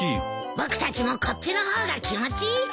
僕たちもこっちの方が気持ちいいから。